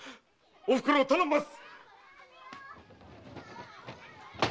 おふくろを頼みます！